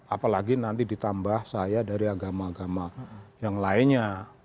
apalagi nanti ditambah saya dari agama agama yang lainnya